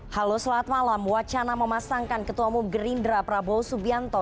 halo selamat malam wacana memasangkan ketua umum gerindra prabowo subianto